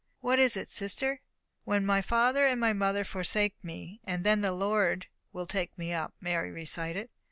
What is it, sister?" "When my father and my mother forsake me, then the Lord will take me up," Mary recited.